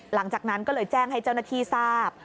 หลังจากนั้นก็เลยแจ้งให้เจ้าหน้าที่ทราบ